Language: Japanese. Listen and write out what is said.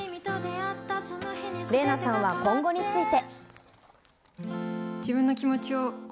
麗奈さんは今後について。